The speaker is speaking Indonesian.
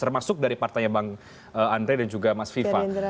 termasuk dari partanya mbak andre dan juga mas wifa